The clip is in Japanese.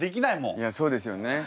いやそうですよね。